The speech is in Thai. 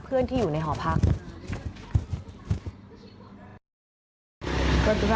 ปืนยิงไหมยิงแต่ไม่แตกครับ